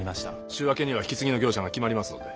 週明けには引き継ぎの業者が決まりますので。